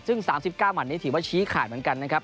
ซึ่ง๓๙หมัดนี้ถือว่าชี้ขาดเหมือนกันนะครับ